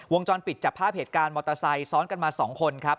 จรปิดจับภาพเหตุการณ์มอเตอร์ไซค์ซ้อนกันมา๒คนครับ